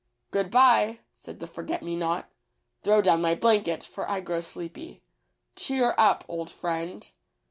^' "Good by," said the forget me not; "throw down my blanket, for I grow sleepy. Cheer up, old friend."